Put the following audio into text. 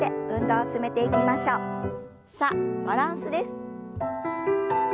さあバランスです。